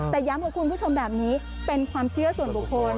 แต่ย้ำกับคุณผู้ชมแบบนี้เป็นความเชื่อส่วนบุคคล